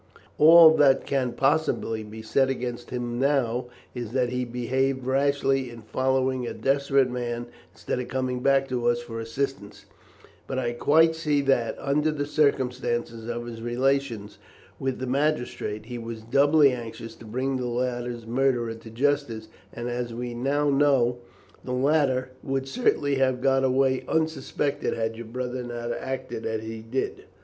"All that can possibly be said against him now is that he behaved rashly in following a desperate man instead of coming back to us for assistance; but I quite see that, under the circumstance of his relations with the magistrate, he was doubly anxious to bring the latter's murderer to justice, and, as we now know, the latter would certainly have got away unsuspected had your brother not acted as he did."